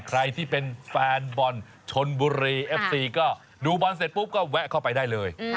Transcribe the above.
ใครที่เป็นแฟนบอลชนบุรีเอฟซีก็ดูบอลเสร็จปุ๊บก็แวะเข้าไปได้เลย